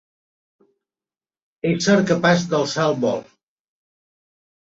Ésser capaç d'alçar el vol.